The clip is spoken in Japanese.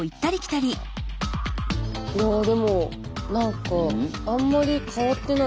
ああでも何かあんまり変わってない。